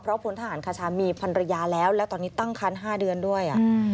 เพราะพลทหารคชามีพันรยาแล้วและตอนนี้ตั้งคัน๕เดือนด้วย